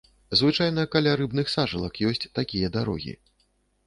Звычайна каля рыбных сажалак ёсць такія дарогі.